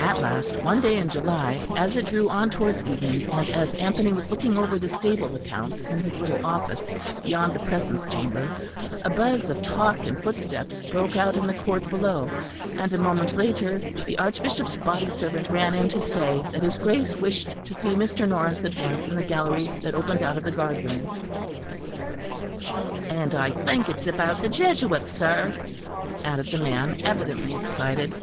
At last one day in July, as it drew on towards evening, and as Anthony was looking over the stable accounts in his little office beyond the Presence Chamber, a buzz of talk and footsteps broke out in the court below; and a moment later the Archbishop's body servant ran in to say that his Grace wished to see Mr. Norris at once in the gallery that opened out of the guard room. "And I think it is about the Jesuits, sir," added the man, evidently excited.